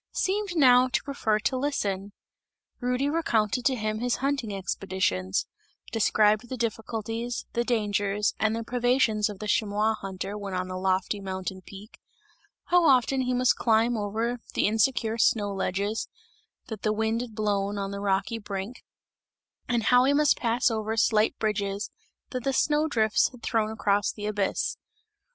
seemed now to prefer to listen. Rudy recounted to him his hunting expeditions; described the difficulties, the dangers and the privations of the chamois hunter when on the lofty mountain peak; how often he must climb over the insecure snow ledges, that the wind had blown on the rocky brink, and how he must pass over slight bridges that the snow drifts had thrown across the abyss.